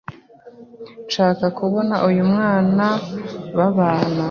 nshaka kubona uyu nawe babana”